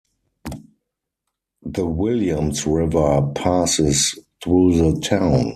The Williams River passes through the town.